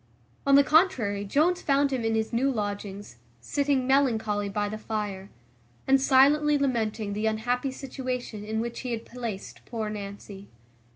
On the contrary, Jones found him in his new lodgings, sitting melancholy by the fire, and silently lamenting the unhappy situation in which he had placed poor Nancy.